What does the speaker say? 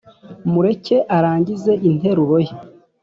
mureke arangize interuro ye